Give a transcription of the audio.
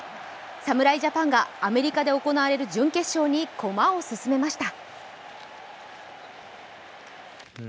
侍ジャパンがアメリカで行われる準決勝に駒を進めました。